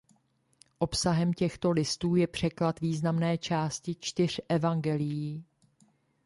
Obsahem těchto listů je překlad významné části čtyř evangelií.